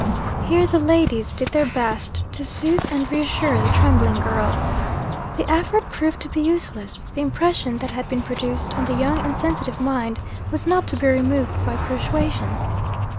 Here, the ladies did their best to soothe and reassure the trembling girl. The effort proved to be useless; the impression that had been produced on the young and sensitive mind was not to be removed by persuasion.